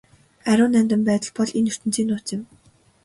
Ариун нандин байдал бол энэ ертөнцийн нууц юм.